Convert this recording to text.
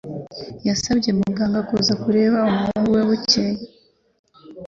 Yasabye muganga kuza kureba umuhungu we bukeye.